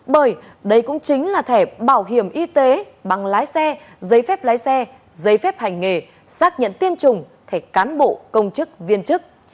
bởi đây cũng chính là thẻ bảo hiểm y tế bằng lái xe giấy phép lái xe giấy phép hành nghề xác nhận tiêm chủng thẻ cán bộ công chức viên chức